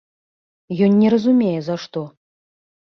Ён не разумее за што!